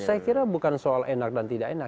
saya kira bukan soal enak dan tidak enak